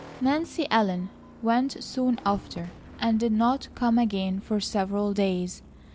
Nancy Ellen went soon after, and did not come again for several days.